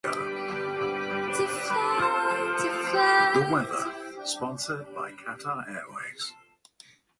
Goodhart's screenplay took a more metaphysical and intellectual approach compared with the original film.